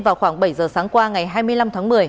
vào khoảng bảy giờ sáng qua ngày hai mươi năm tháng một mươi